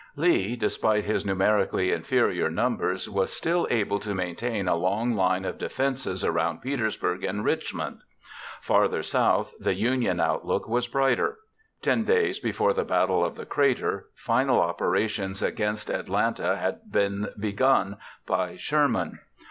Lee, despite his numerically inferior numbers, was still able to maintain a long line of defenses around Petersburg and Richmond. Farther south, the Union outlook was brighter. Ten days before the Battle of the Crater, final operations against Atlanta had been begun by Sherman.